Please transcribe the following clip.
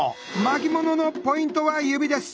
巻物のポイントは指です！